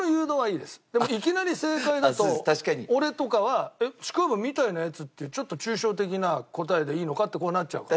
でもいきなり「正解」だと俺とかは「ちくわぶみたいなやつっていうちょっと抽象的な答えでいいのか？」ってなっちゃうから。